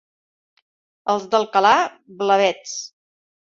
Els d'Alcalà, blavets.